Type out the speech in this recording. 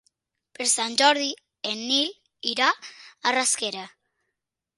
Per Sant Jordi en Nil irà a Rasquera.